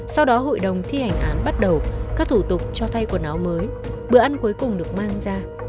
sau đó hội đồng thi hành án bắt đầu các thủ tục cho thay quần áo mới bữa ăn cuối cùng được mang ra